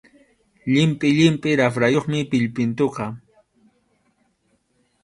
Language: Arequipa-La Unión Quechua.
Llimpʼi llimpʼi raprayuqmi pillpintuqa.